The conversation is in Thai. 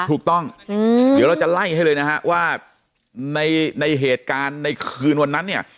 ถูกต้องเดี๋ยวเราจะไล่ให้เลยนะฮะว่าในเหตุการณ์ในคืนวันนั้นเนี่ย